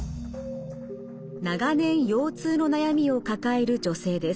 長年腰痛の悩みを抱える女性です。